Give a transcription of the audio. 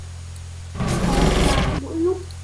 To ra mỗi lúc